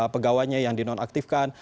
pegawanya yang dinonaktifkan